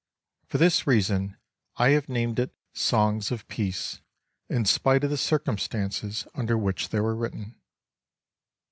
For this reason I have named it Songs of Peace, in spite of the circumstances under which they were written.